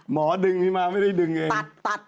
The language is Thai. หมอดึงนี่มาไม่ได้ดึงเองตัด